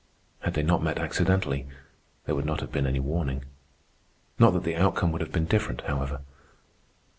Had they not met accidentally, there would not have been any warning. Not that the outcome would have been different, however.